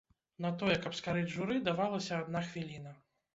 На тое, каб скарыць журы, давалася адна хвіліна.